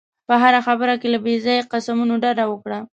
په هره خبره کې له بې ځایه قسمونو ډډه وکړه.